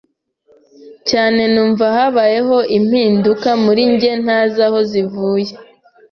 cyane numva habayeho impinduka muri njye ntazi aho zivuye.